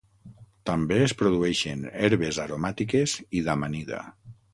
També es produeixen herbes aromàtiques i d'amanida.